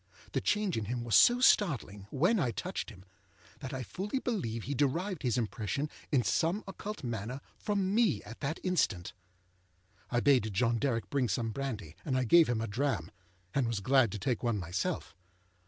The change in him was so startling, when I touched him, that I fully believe he derived his impression in some occult manner from me at that instant. I bade John Derrick bring some brandy, and I gave him a dram, and was glad to take one myself.